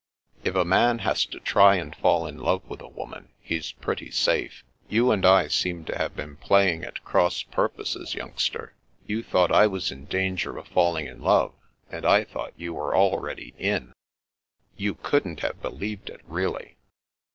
" If a man has to try and fall in love with a woman, he's pretty safe. You and I seem to have been playing at cross purposes, youngster. You thought I was in danger of falling in love, and I thought you were already in." The Challenge 249 " You couldn't have believed it, really."